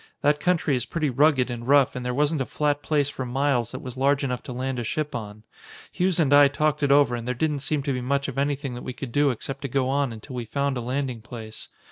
That country is pretty rugged and rough and there wasn't a flat place for miles that was large enough to land a ship on. Hughes and I talked it over and there didn't seem to be much of anything that we could do except to go on until we found a landing place.